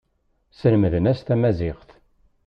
Slemden-as tamaziɣt.